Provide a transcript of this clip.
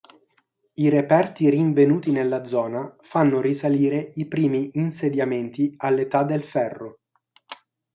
I reperti rinvenuti nella zona fanno risalire i primi insediamenti all'età del ferro.